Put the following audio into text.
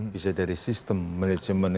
bisa dari sistem manajemen